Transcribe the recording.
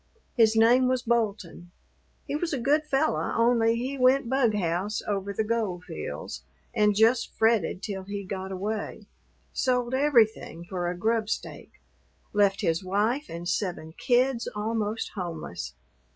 His name was Bolton; he was a good fellow, only he went bughouse over the gold fields and just fretted till he got away sold everything for a grub stake left his wife and seven kids almost homeless.